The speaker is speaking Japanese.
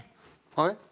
はい？